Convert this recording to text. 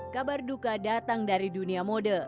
kabar duka datang dari dunia mode